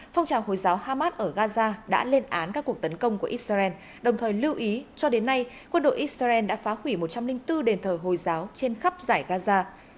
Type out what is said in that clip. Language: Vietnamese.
phong trào hồi giáo hamas ở gaza đã lên án các cuộc tấn công của israel đồng thời lưu ý cho đến nay quân đội israel đã phá hủy một trăm linh bốn đền thờ hồi giáo trên khắp giải gaza